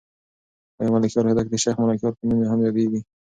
آیا ملکیار هوتک د شیخ ملکیار په نوم هم یادېږي؟